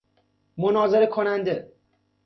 مناظره کننده